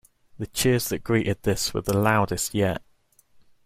The cheers that greeted this were the loudest yet.